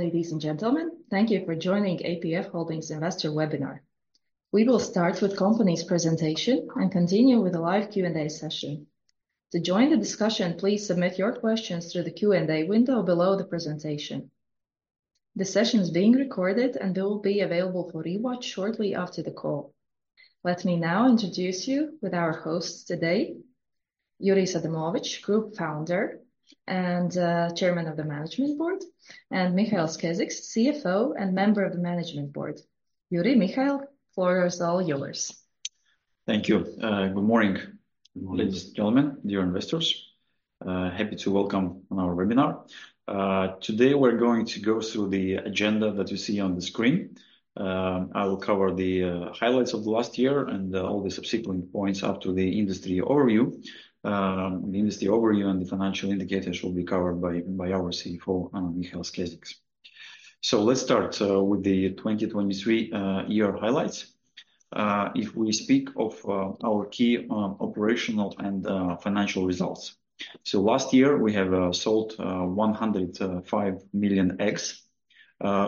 Ladies and gentlemen, thank you for joining APF Holdings investor webinar. We will start with company's presentation and continue with a live Q&A session. To join the discussion, please submit your questions through the Q&A window below the presentation. The session is being recorded and will be available for re-watch shortly after the call. Let me now introduce you to our hosts today, Jurijs Adamovičs, Group Founder and Chairman of the Management Board, and Mihails Keziks, CFO and member of the Management Board. Jurijs, Mihails, floor is all yours. Thank you. Good morning. Good morning. Ladies and gentlemen, dear investors. Happy to welcome on our webinar. Today, we're going to go through the agenda that you see on the screen. I will cover the highlights of last year and all the subsequent points up to the industry overview. The industry overview and the financial indicators will be covered by our CFO, Mihails Keziks. Let's start with the 2023 year highlights. If we speak of our key operational and financial results. Last year, we have sold 105 million eggs,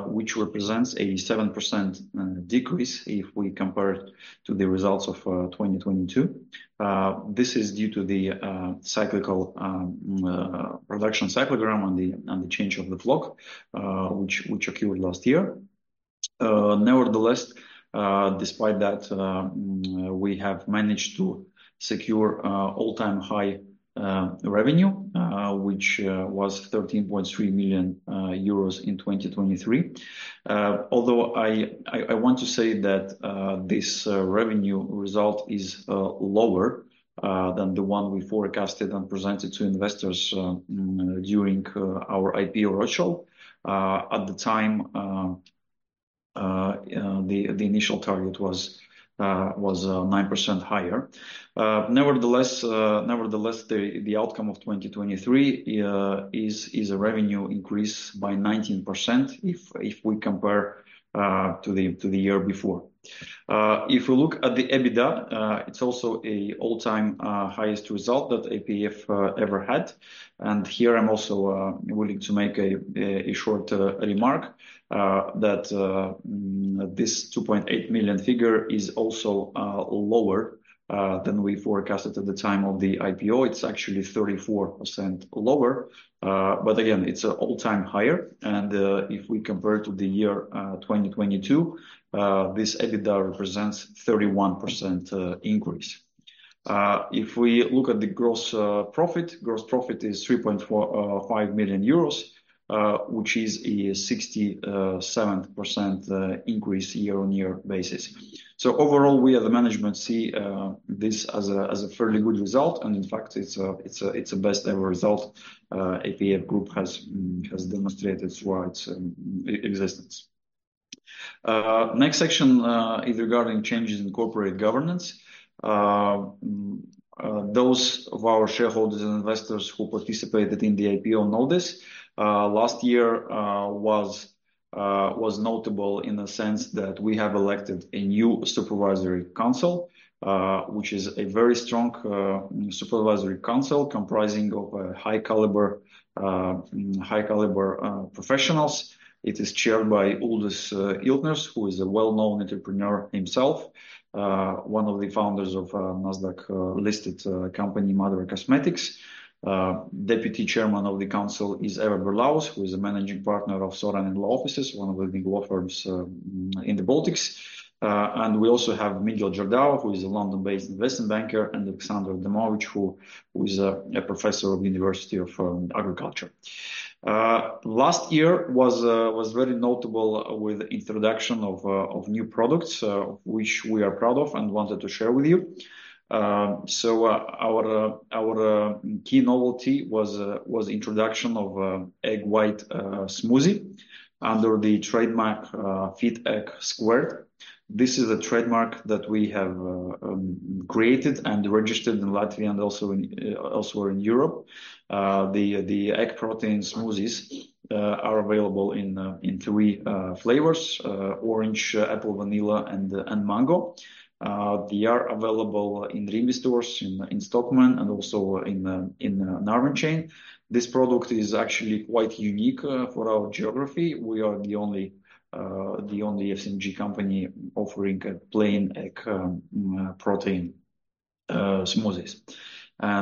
which represents a 7% decrease if we compare it to the results of 2022. This is due to the cyclical reduction cyclogram and the change of the flock, which occurred last year. Nevertheless, despite that, we have managed to secure all-time high revenue, which was 13.3 million euros in 2023. Although I want to say that this revenue result is lower than the one we forecasted and presented to investors during our IPO roadshow. At the time, the initial target was 9% higher. Nevertheless, the outcome of 2023 is a revenue increase by 19% if we compare to the year before. If we look at the EBITDA, it's also an all-time highest result that APF ever had. Here I'm also willing to make a short remark, that this 2.8 million figure is also lower than we forecasted at the time of the IPO. It's actually 34% lower. Again, it's an all-time high, and if we compare to the year 2022, this EBITDA represents 31% increase. If we look at the gross profit, gross profit is 3.5 million euros, which is a 67% increase year-on-year basis. Overall, we as the management see this as a fairly good result. In fact, it's a best ever result APF Group has demonstrated throughout its existence. Next section is regarding changes in corporate governance. Those of our shareholders and investors who participated in the IPO know this. Last year was notable in the sense that we have elected a new supervisory council, which is a very strong supervisory council comprising of high caliber professionals. It is chaired by Uldis Iltners, who is a well-known entrepreneur himself, one of the founders of NASDAQ-listed company, Madara Cosmetics. Deputy Chairman of the council is Eva Berlaus, who is a Managing Partner of Sorainen Law Offices, one of the big law firms in the Baltics. We also have Miguel Jordao, who is a London-based investment banker, and Aleksandrs Adamovičs, who is a Professor of Latvia University of Agriculture. Last year was very notable with introduction of new products, which we are proud of and wanted to share with you. Our key novelty was introduction of egg white smoothie under the trademark Fiteg². This is a trademark that we have created and registered in Latvia and also in Europe. The egg protein smoothies are available in three flavors, orange, apple vanilla, and mango. They are available in Rimi stores, in Stockmann, and also in Narvesen chain. This product is actually quite unique for our geography. We are the only FMCG company offering plain egg protein smoothies.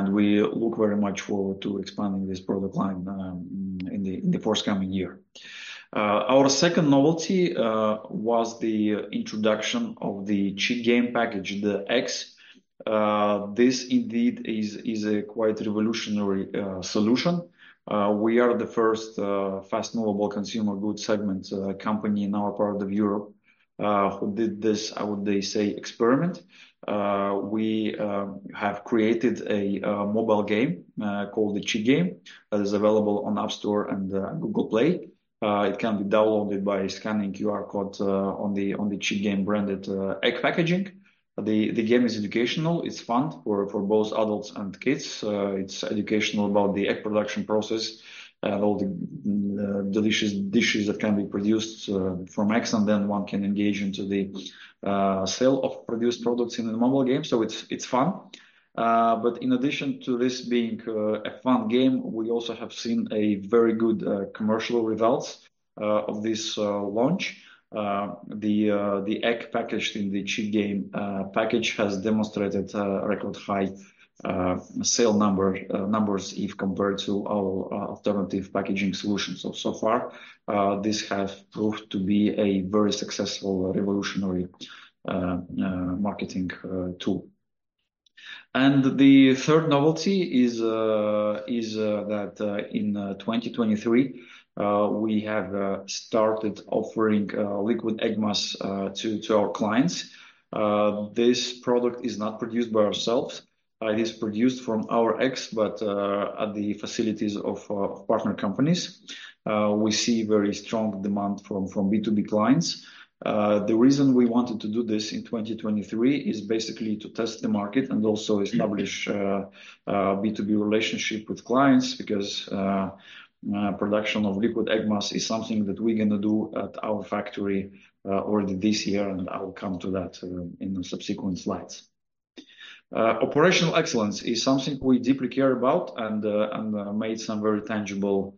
We look very much forward to expanding this product line in the forthcoming year. Our second novelty was the introduction of the Chix game package, the X. This indeed is a quite revolutionary solution. We are the first fast-moving consumer goods segment company in our part of Europe who did this, I would say, experiment. We have created a mobile game called the Chix game that is available on App Store and Google Play. It can be downloaded by scanning QR code on the Chix game branded egg packaging. The game is educational. It's fun for both adults and kids. It's educational about the egg production process and all the delicious dishes that can be produced from eggs, and then one can engage into the sale of produced products in the mobile game, so it's fun. But in addition to this being a fun game, we also have seen a very good commercial results of this launch. The egg packaged in the Chix game package has demonstrated record high sale numbers if compared to our alternative packaging solutions. So far, this has proved to be a very successful revolutionary marketing tool. The third novelty is that in 2023, we have started offering liquid egg mass to our clients. This product is not produced by ourselves. It is produced from our eggs, but at the facilities of partner companies. We see very strong demand from B2B clients. The reason we wanted to do this in 2023 is basically to test the market and also establish a B2B relationship with clients, because production of liquid egg mass is something that we're going to do at our factory already this year, and I will come to that in the subsequent slides. Operational excellence is something we deeply care about and made some very tangible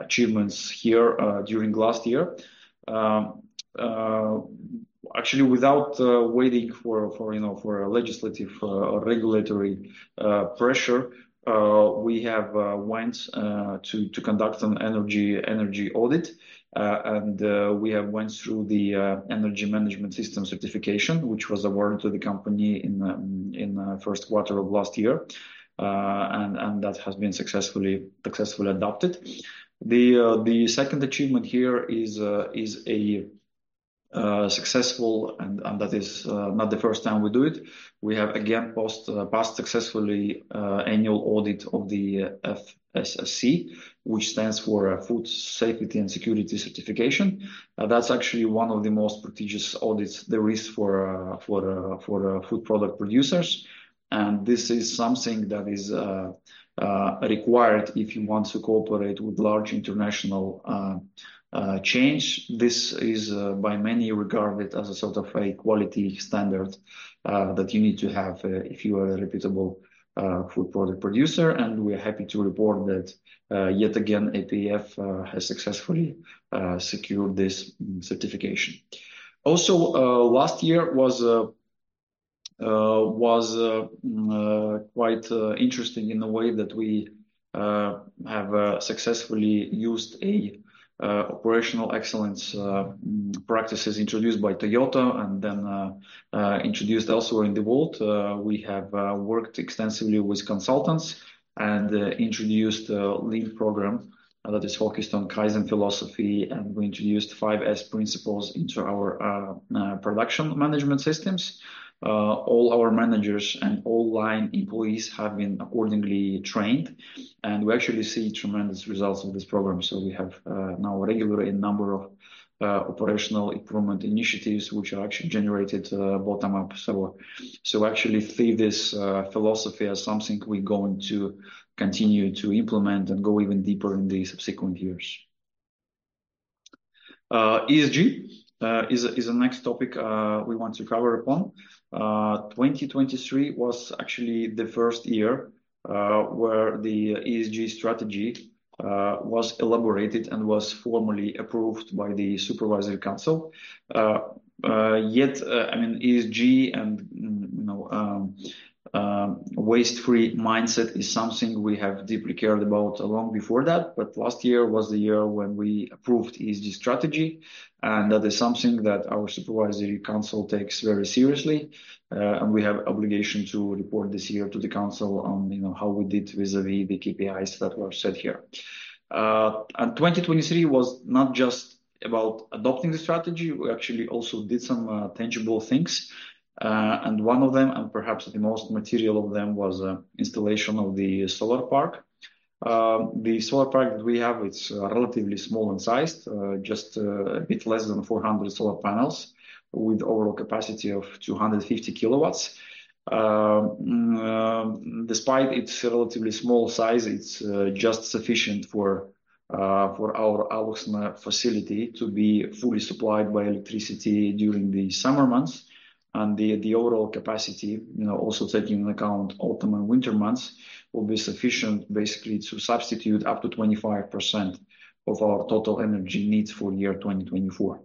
achievements here during last year. Actually, without waiting for legislative or regulatory pressure, we have went to conduct an energy audit. We have went through the energy management system certification, which was awarded to the company in the first quarter of last year. That has been successfully adopted. The second achievement here is a successful, and that is not the first time we do it. We have again passed successfully annual audit of the FSSC, which stands for Food Safety System Certification. That's actually one of the most prestigious audits there is for food product producers, and this is something that is required if you want to cooperate with large international chains. This is by many regarded as a sort of a quality standard that you need to have if you are a reputable food product producer. We are happy to report that yet again, APF has successfully secured this certification. Also, last year was quite interesting in the way that we have successfully used operational excellence practices introduced by Toyota and then introduced elsewhere in the world. We have worked extensively with consultants and introduced the lean program that is focused on Kaizen philosophy, and we introduced 5S principles into our production management systems. All our managers and all line employees have been accordingly trained, and we actually see tremendous results of this program. We have now a regular number of operational improvement initiatives, which are actually generated bottom up. We actually see this philosophy as something we're going to continue to implement and go even deeper in the subsequent years. ESG is the next topic we want to cover upon. 2023 was actually the first year where the ESG strategy was elaborated and was formally approved by the supervisory council. Yet, ESG and waste-free mindset is something we have deeply cared about long before that, but last year was the year when we approved ESG strategy, and that is something that our supervisory council takes very seriously. We have obligation to report this year to the council on how we did vis-a-vis the KPIs that were set here. 2023 was not just about adopting the strategy. We actually also did some tangible things. One of them, and perhaps the most material of them, was installation of the solar park. The solar park that we have, it's relatively small in size, just a bit less than 400 solar panels with overall capacity of 250 kW. Despite its relatively small size, it's just sufficient for our Alūksne facility to be fully supplied by electricity during the summer months. The overall capacity, also taking into account autumn and winter months, will be sufficient basically to substitute up to 25% of our total energy needs for year 2024.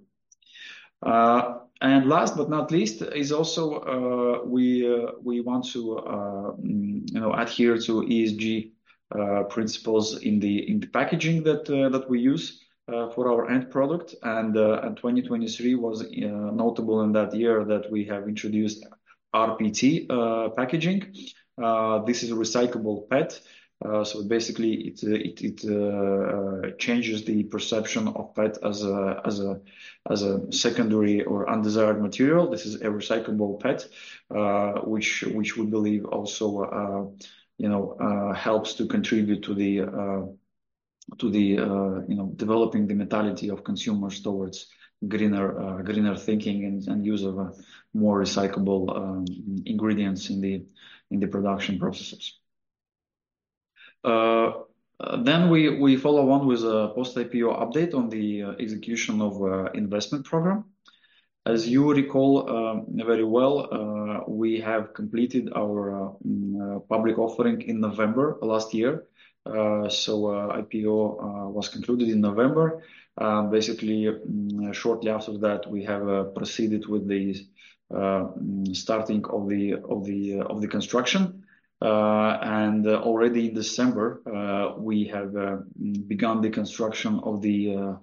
Last but not least is also we want to adhere to ESG principles in the packaging that we use for our end product. 2023 was notable in that year that we have introduced rPET packaging. This is recyclable PET. Basically it changes the perception of PET as a secondary or undesired material. This is a recyclable PET, which we believe also helps to contribute to the developing the mentality of consumers towards greener thinking and use of more recyclable ingredients in the production processes. We follow on with a post-IPO update on the execution of investment program. As you recall very well, we have completed our public offering in November last year. IPO was concluded in November. Basically, shortly after that, we have proceeded with the starting of the construction. Already in December, we have begun the construction of the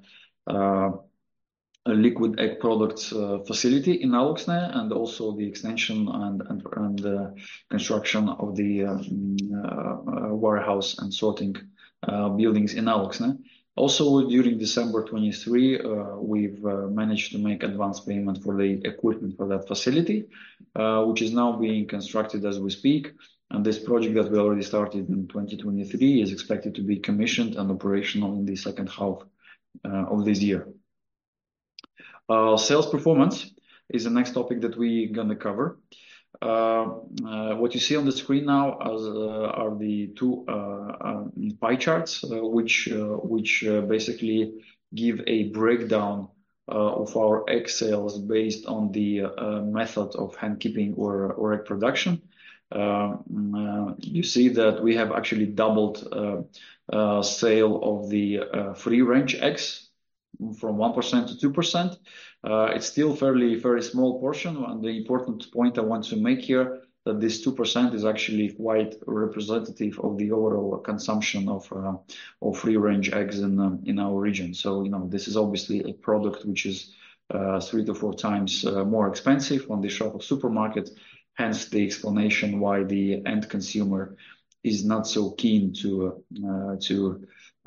liquid egg products facility in Alūksne, and also the extension and the construction of the warehouse and sorting buildings in Alūksne. Also, during December 2023, we've managed to make advanced payment for the equipment for that facility, which is now being constructed as we speak. This project that we already started in 2023 is expected to be commissioned and operational in the second half of this year. Sales performance is the next topic that we going to cover. What you see on the screen now are the two pie charts, which basically give a breakdown of our egg sales based on the method of hen keeping or egg production. You see that we have actually doubled sale of the free-range eggs from 1%-2%. It's still fairly small portion, and the important point I want to make here that this 2% is actually quite representative of the overall consumption of free-range eggs in our region. This is obviously a product which is three to four times more expensive on the shelf of supermarket, hence the explanation why the end consumer is not so keen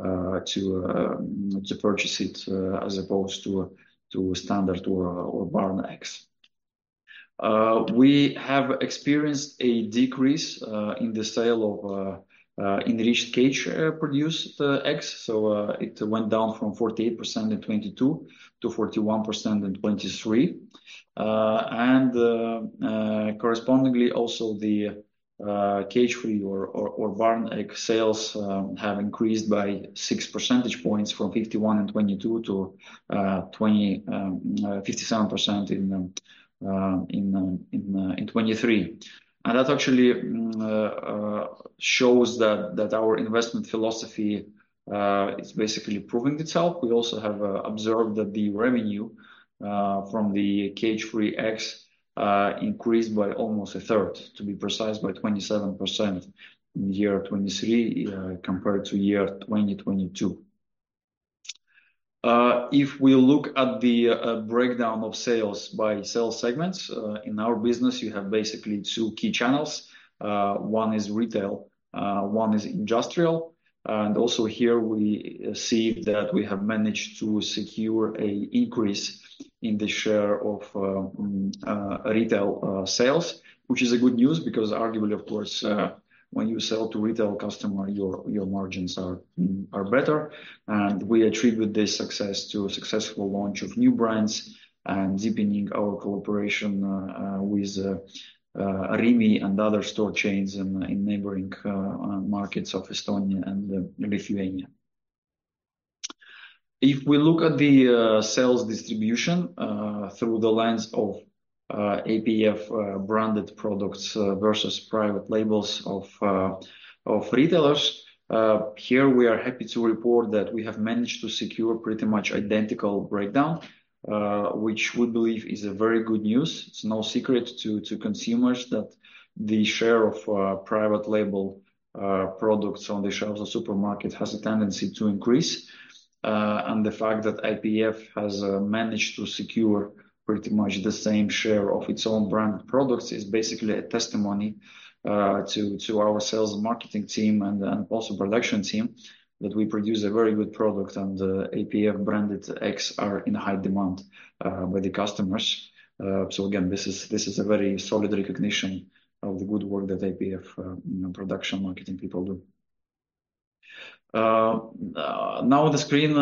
to purchase it, as opposed to standard or barn eggs. We have experienced a decrease in the sale of enriched cage produced eggs. It went down from 48% in 2022 to 41% in 2023. Correspondingly also the cage-free or barn egg sales have increased by 6 percentage points from 51% in 2022 to 57% in 2023. That actually shows that our investment philosophy is basically proving itself. We also have observed that the revenue from the cage-free eggs increased by almost a third, to be precise, by 27% in 2023 compared to 2022. If we look at the breakdown of sales by sales segments, in our business you have basically two key channels. One is retail, one is industrial, and also here we see that we have managed to secure an increase in the share of retail sales. Which is a good news because arguably, of course, when you sell to retail customer, your margins are better. We attribute this success to successful launch of new brands and deepening our cooperation with Rimi and other store chains in neighboring markets of Estonia and Lithuania. If we look at the sales distribution through the lens of APF branded products versus private labels of retailers, here we are happy to report that we have managed to secure pretty much identical breakdown, which we believe is a very good news. It's no secret to consumers that the share of private label products on the shelves of supermarket has a tendency to increase. The fact that APF has managed to secure pretty much the same share of its own brand products is basically a testimony to our sales marketing team and also production team that we produce a very good product and the APF branded eggs are in high demand by consumers. Again, this is a very solid recognition of the good work that APF production marketing people do. Now on the screen,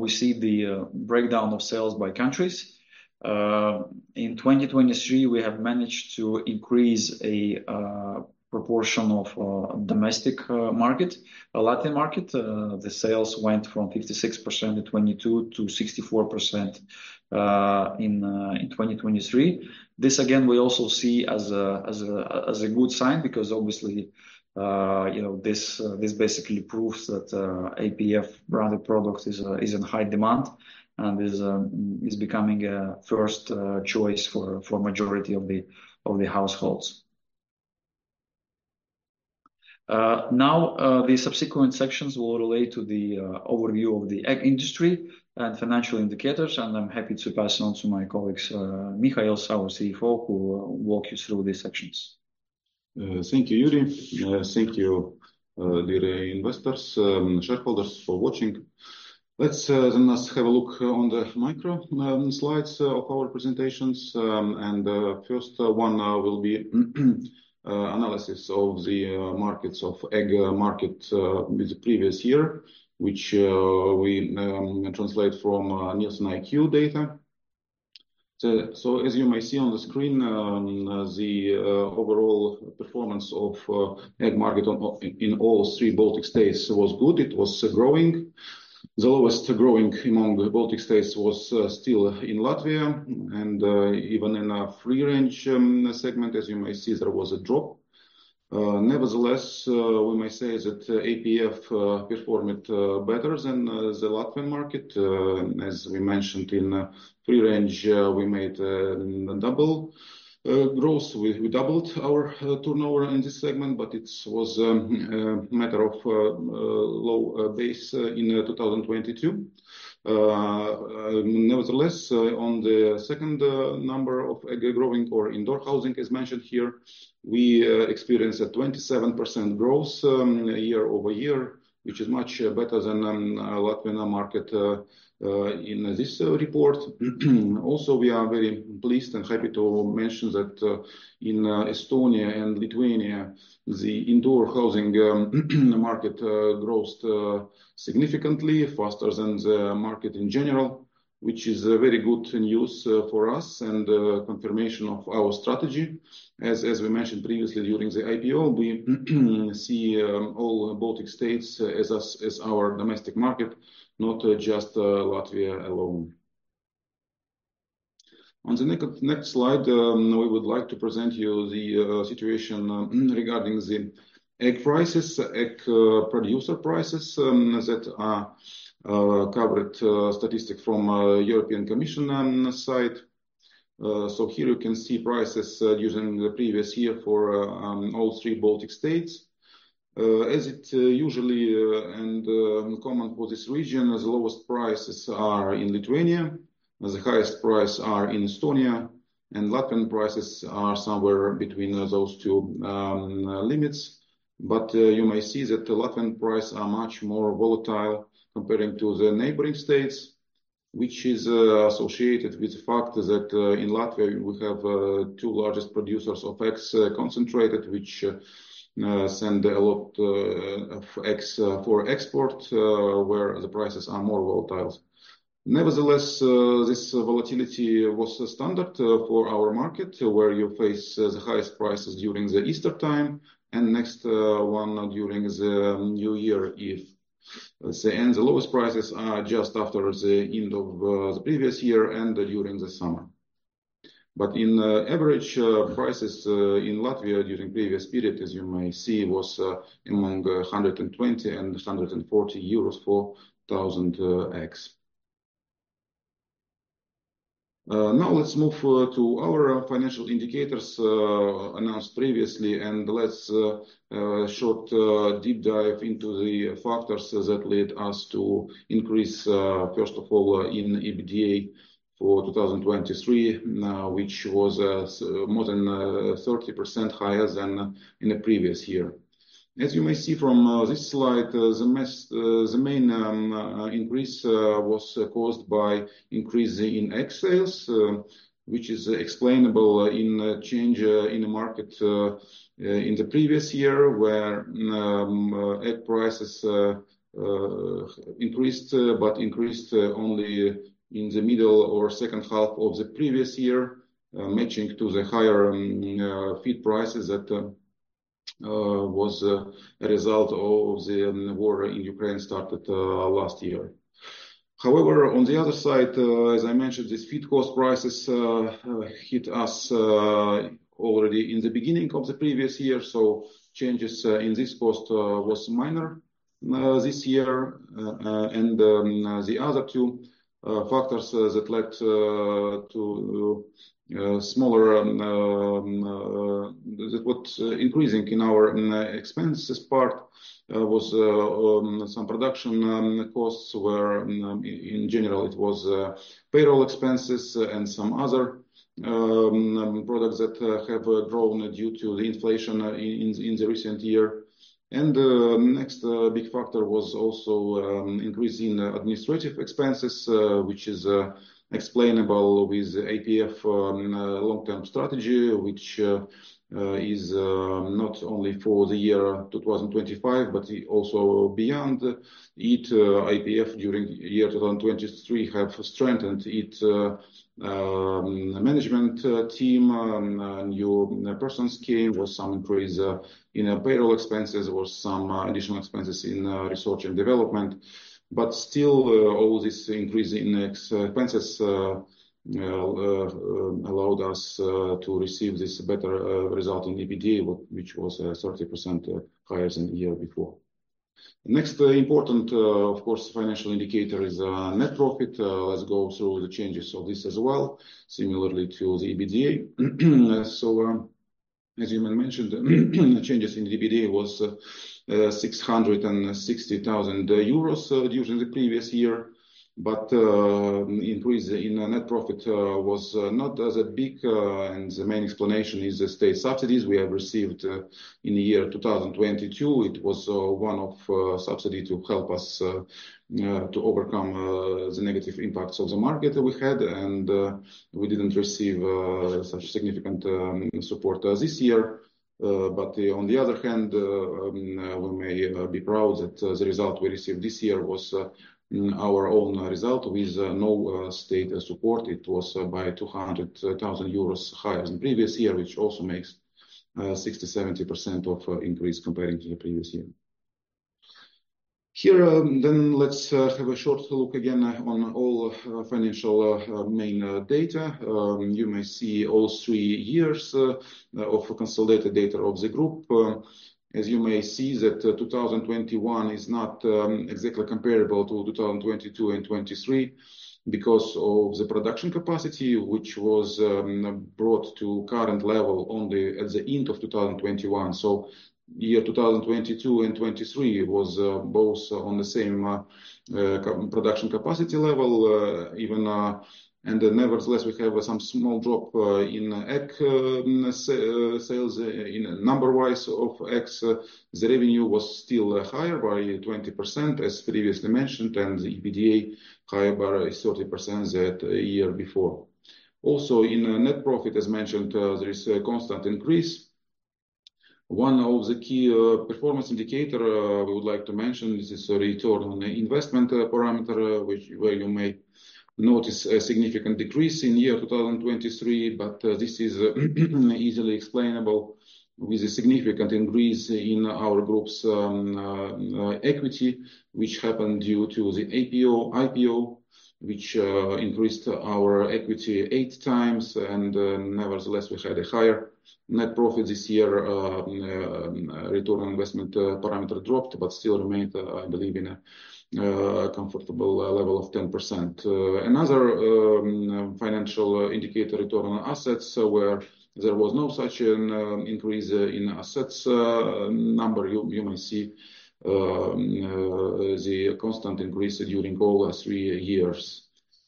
we see the breakdown of sales by countries. In 2023, we have managed to increase a proportion of domestic market, the Latvian market. The sales went from 56% in 2022 to 64% in 2023. This again, we also see as a good sign because obviously this basically proves that APF branded products is in high demand and is becoming a first choice for majority of the households. Now, the subsequent sections will relate to the overview of the egg industry and financial indicators, and I'm happy to pass on to my colleagues, Mihails, our CFO, who will walk you through these sections. Thank you, Jurijs. Thank you, dear investors, shareholders for watching. Let's have a look on the micro slides of our presentations. First one will be analysis of the markets of egg market with the previous year, which we translate from NielsenIQ data. As you may see on the screen, the overall performance of egg market in all three Baltic states was good. It was growing. The lowest growing among the Baltic states was still in Latvia and even in a free range segment, as you may see, there was a drop. Nevertheless, we may say that APF performed better than the Latvian market. As we mentioned in free range, we made double growth. We doubled our turnover in this segment, but it was a matter of low base in 2022. Nevertheless, on the second number of egg growing or indoor housing, as mentioned here, we experienced a 27% growth year-over-year, which is much better than Latvian market in this report. Also, we are very pleased and happy to mention that in Estonia and Lithuania, the indoor housing market grows significantly faster than the market in general, which is very good news for us and confirmation of our strategy. As we mentioned previously during the IPO, we see all Baltic states as our domestic market, not just Latvia alone. On the next slide, we would like to present you the situation regarding the egg prices, egg producer prices that are covered statistics from European Commission site. Here you can see prices during the previous year for all three Baltic states. As it usually, and in common for this region, the lowest prices are in Lithuania, the highest price are in Estonia, and Latvian prices are somewhere between those two limits. You may see that Latvian price are much more volatile compared to the neighboring states, which is associated with the fact that in Latvia we have two largest producers of eggs concentrated, which send a lot of eggs for export, where the prices are more volatile. Nevertheless, this volatility was standard for our market, where you face the highest prices during the Easter time and next one during the New Year Eve. The lowest prices are just after the end of the previous year and during the summer. On average, prices in Latvia during previous period, as you may see, was among 120-140 euros for 1,000 eggs. Now let's move to our financial indicators announced previously, and let's do a short deep dive into the factors that led us to increase, first of all, in EBITDA for 2023, which was more than 30% higher than in the previous year. As you may see from this slide, the main increase was caused by increase in egg sales, which is explainable by the change in the market in the previous year, where egg prices increased, but increased only in the middle or second half of the previous year, matching to the higher feed prices that was a result of the war in Ukraine started last year. However, on the other side, as I mentioned, these feed cost prices hit us already in the beginning of the previous year, so changes in this cost was minor this year. The other two factors that led to the increase in our expenses was some production costs, where in general it was payroll expenses and some other products that have grown due to the inflation in the recent year. The next big factor was also increase in administrative expenses, which is explainable with APF long-term strategy, which is not only for the year 2025, but also beyond. Each APF during year 2023 have strengthened its management team. New persons came with some increase in payroll expenses or some additional expenses in research and development. Still, all this increase in expenses allowed us to receive this better result in EBITDA, which was 30% higher than the year before. Next important, of course, financial indicator is net profit. Let's go through the changes of this as well, similarly to the EBITDA. As you mentioned, the changes in EBITDA was 660,000 euros during the previous year. Increase in net profit was not as big, and the main explanation is the state subsidies we have received in the year 2022. It was one-off subsidy to help us to overcome the negative impacts of the market that we had, and we didn't receive such significant support this year. On the other hand, we may be proud that the result we received this year was our own result with no state support. It was by 200,000 euros higher than the previous year, which also makes 60%-70% of increase comparing to the previous year. Here, let's have a short look again on all financial main data. You may see all three years of consolidated data of the group. As you may see, 2021 is not exactly comparable to 2022 and 2023 because of the production capacity, which was brought to current level only at the end of 2021. Year 2022 and 2023 was both on the same production capacity level. Nevertheless, we have some small drop in egg sales, number-wise of eggs. The revenue was still higher by 20%, as previously mentioned, and the EBITDA higher by 30% than the year before. Also, in net profit, as mentioned, there is a constant increase. One of the key performance indicator we would like to mention is this return on investment parameter, where you may notice a significant decrease in year 2023, but this is easily explainable with a significant increase in our group's equity, which happened due to the IPO, which increased our equity eight times, and nevertheless, we had a higher net profit this year. Return on investment parameter dropped, but still remained, I believe, in a comfortable level of 10%. Another financial indicator, return on assets, where there was no such an increase in assets number, you may see the constant increase during all three years.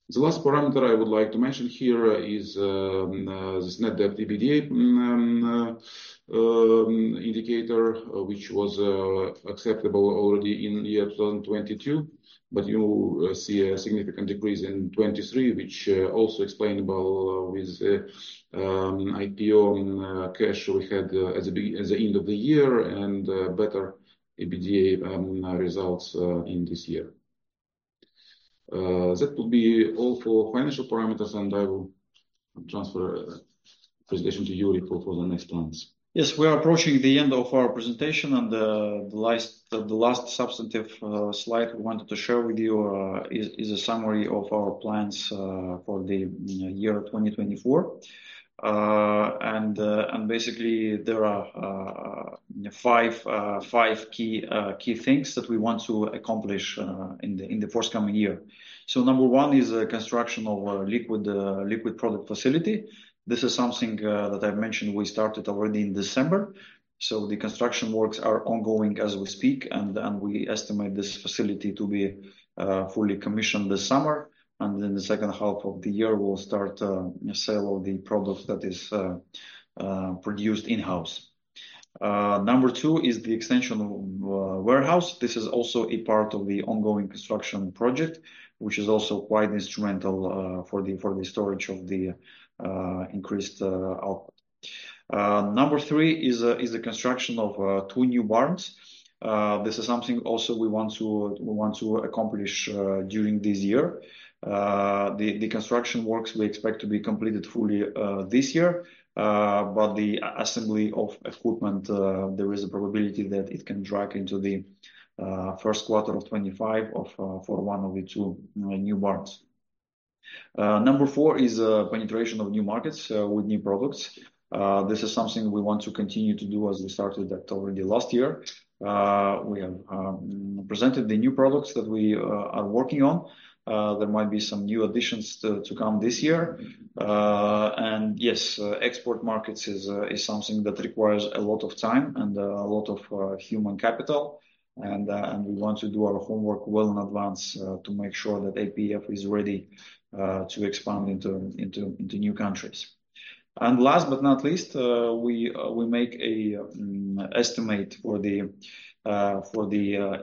The last parameter I would like to mention here is this net debt to EBITDA indicator, which was acceptable already in year 2022. You see a significant decrease in 2023, which also explainable with IPO in cash we had as the end of the year and better EBITDA results in this year. That will be all for financial parameters, and I will transfer presentation to Yuri for the next plans. Yes, we are approaching the end of our presentation, and the last substantive slide we wanted to share with you is a summary of our plans for the year 2024. Basically, there are five key things that we want to accomplish in the forthcoming year. Number one is construction of a liquid product facility. This is something that I've mentioned we started already in December. The construction works are ongoing as we speak, and we estimate this facility to be fully commissioned this summer, and in the second half of the year, we'll start sale of the products that is produced in-house. Number two is the extension of warehouse. This is also a part of the ongoing construction project, which is also quite instrumental for the storage of the increased output. Number three is the construction of two new barns. This is something also we want to accomplish during this year. The construction works we expect to be completed fully this year, but the assembly of equipment, there is a probability that it can drag into the first quarter of 2025 for one of the two new barns. Number four is penetration of new markets with new products. This is something we want to continue to do, as we started that already last year. We have presented the new products that we are working on. There might be some new additions to come this year. Yes, export markets is something that requires a lot of time and a lot of human capital, and we want to do our homework well in advance to make sure that APF is ready to expand into new countries. Last but not least, we make an estimate for the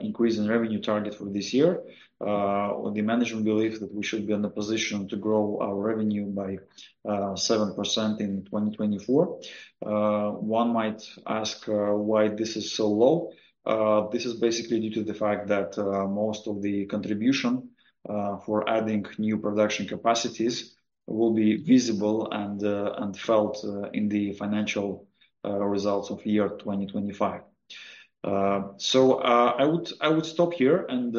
increase in revenue target for this year. The management believes that we should be in a position to grow our revenue by 7% in 2024. One might ask why this is so low. This is basically due to the fact that most of the contribution for adding new production capacities will be visible and felt in the financial results of year 2025. I would stop here and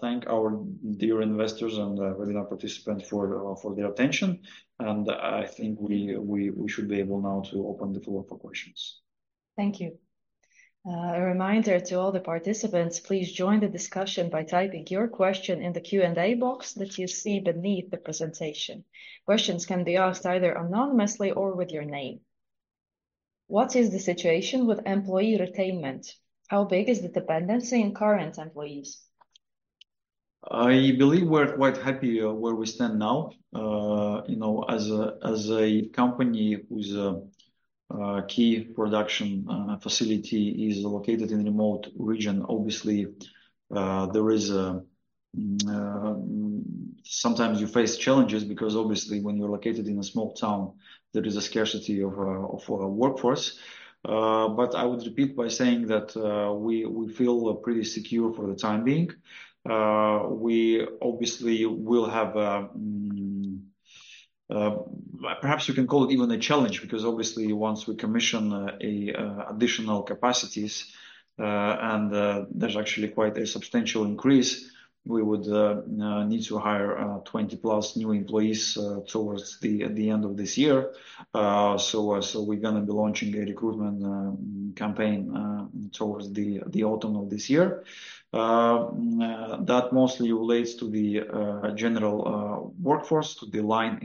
thank our dear investors and webinar participant for their attention, and I think we should be able now to open the floor for questions. Thank you. A reminder to all the participants, please join the discussion by typing your question in the Q&A box that you see beneath the presentation. Questions can be asked either anonymously or with your name. What is the situation with employee retention? How big is the dependency on current employees? I believe we're quite happy where we stand now. As a company whose key production facility is located in a remote region, obviously, sometimes you face challenges because obviously when you're located in a small town, there is a scarcity of workforce. I would repeat by saying that we feel pretty secure for the time being. Perhaps you can call it even a challenge, because obviously once we commission additional capacities, and there's actually quite a substantial increase, we would need to hire 20+ new employees towards the end of this year. We're going to be launching a recruitment campaign towards the autumn of this year. That mostly relates to the general workforce, to the line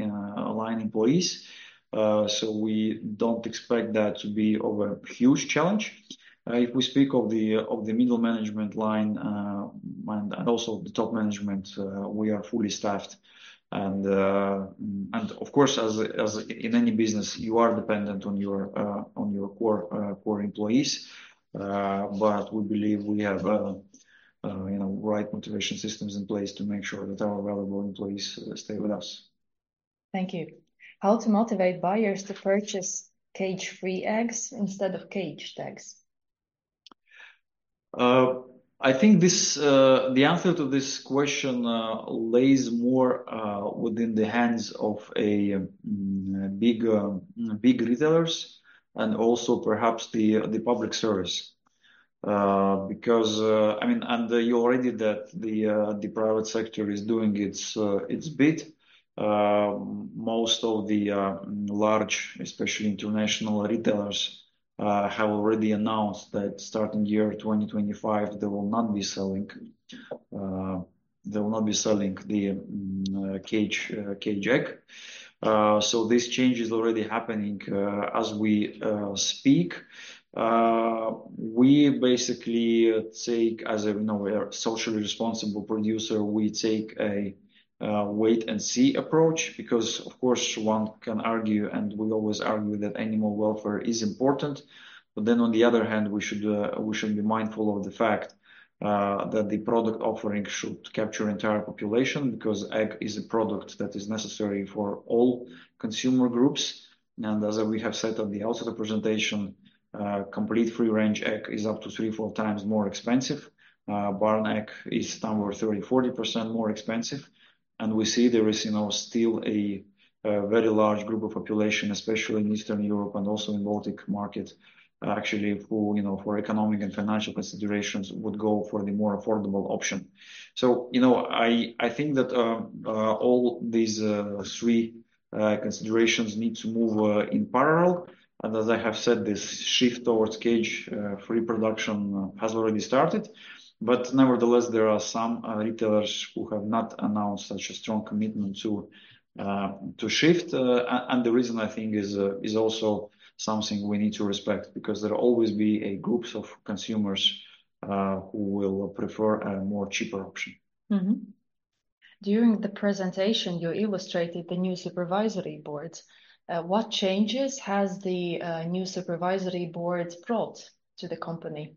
employees. We don't expect that to be of a huge challenge. If we speak of the middle management line, and also the top management, we are fully staffed. Of course, as in any business, you are dependent on your core employees. We believe we have right motivation systems in place to make sure that our valuable employees stay with us. Thank you. How to motivate buyers to purchase cage-free eggs instead of caged eggs? I think the answer to this question lies more within the hands of big retailers and also perhaps the public service. You read it, that the private sector is doing its bit. Most of the large, especially international retailers, have already announced that starting year 2025, they will not be selling the caged egg. This change is already happening as we speak. We basically take, as a socially responsible producer, a wait and see approach because, of course, one can argue, and we always argue that animal welfare is important. On the other hand, we should be mindful of the fact that the product offering should capture entire population, because egg is a product that is necessary for all consumer groups. As we have said at the outset of the presentation, complete free-range egg is up to three, four times more expensive. Barn egg is somewhere 30%-40% more expensive. We see there is still a very large group of population, especially in Eastern Europe and also in Baltic market, actually, who for economic and financial considerations would go for the more affordable option. I think that all these three considerations need to move in parallel. As I have said, this shift towards cage-free production has already started. Nevertheless, there are some retailers who have not announced such a strong commitment to shift. The reason I think is also something we need to respect, because there'll always be groups of consumers who will prefer a more cheaper option. During the presentation, you illustrated the new supervisory boards. What changes has the new supervisory boards brought to the company?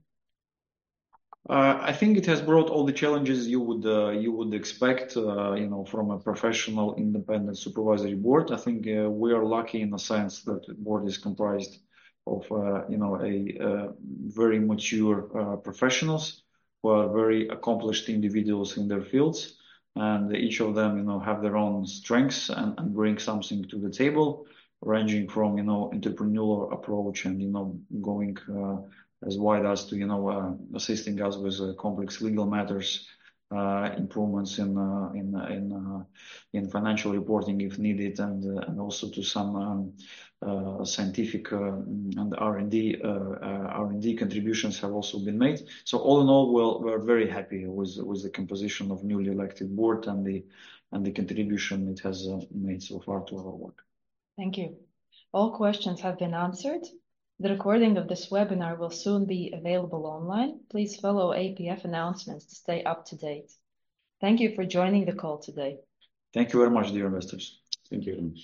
I think it has brought all the challenges you would expect from a professional, independent supervisory board. I think we are lucky in the sense that board is comprised of very mature professionals who are very accomplished individuals in their fields, and each of them have their own strengths and bring something to the table, ranging from entrepreneurial approach and going as wide as to assisting us with complex legal matters, improvements in financial reporting if needed, and also to some scientific and R&D contributions have also been made. All in all, we're very happy with the composition of newly elected board and the contribution it has made so far to our work. Thank you. All questions have been answered. The recording of this webinar will soon be available online. Please follow APF announcements to stay up to date. Thank you for joining the call today. Thank you very much, dear investors. Thank you very much.